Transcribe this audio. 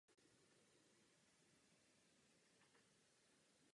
Pošle s nimi stráže.